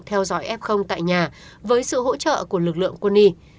theo dõi f tại nhà với sự hỗ trợ của lực lượng quân y